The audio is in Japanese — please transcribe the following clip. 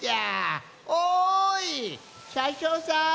おいしゃしょうさん！